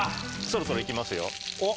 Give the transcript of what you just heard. そろそろいきますよ。